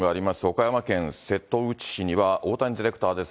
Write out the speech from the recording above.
岡山県瀬戸内市には、大谷ディレクターです。